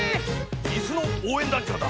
イスのおうえんだんちょうだ！